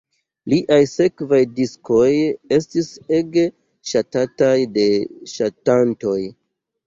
Liaj sekvaj diskoj estis ege ŝatataj de ŝatantoj.